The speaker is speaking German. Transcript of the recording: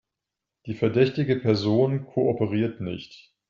Die verdächtige Person kooperiert nicht.